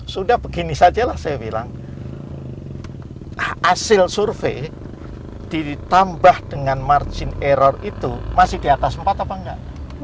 sudah begini sajalah saya bilang hasil survei ditambah dengan margin error itu masih di atas empat apa enggak